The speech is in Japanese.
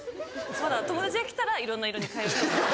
まだ友達が来たらいろんな色に変えようと。